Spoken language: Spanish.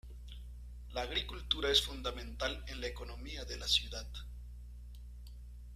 La agricultura es fundamental en la economía de la ciudad.